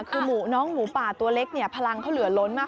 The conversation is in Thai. คือน้องหมูป่าตัวเล็กเนี่ยพลังเขาเหลือล้นมาก